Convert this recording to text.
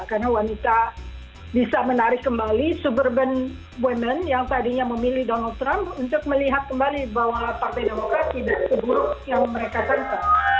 karena wanita bisa menarik kembali suburban women yang tadinya memilih donald trump untuk melihat kembali bahwa partai demokrasi tidak seburuk yang mereka tanpa